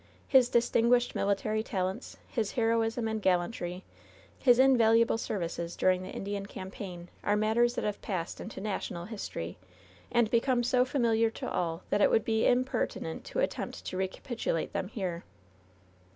His distin guished military talents, his heroism and gallantry, his invaluable services during the Indian campaign, are matters that have passed into national history; and be come so familiar to all that it would be impertinent to attempt to recapitulate them here.